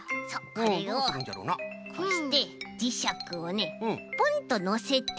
これをこうしてじしゃくをねポンとのせて。